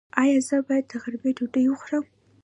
ایا زه باید د غرمې ډوډۍ وخورم؟